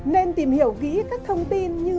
nên tìm hiểu kỹ các thông tin như